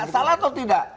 salah atau tidak